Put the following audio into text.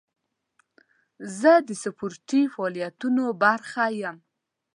زه د سپورتي فعالیتونو برخه یم.